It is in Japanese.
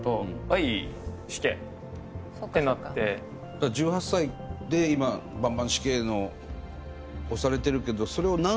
だから１８歳で今バンバン死刑のされてるけど。